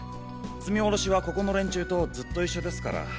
積み降ろしはここの連中とずっと一緒ですから。